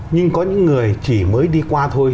nhưng có những người chỉ mới đi qua thôi